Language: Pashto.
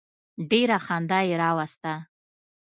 ډېره خندا یې راوسته.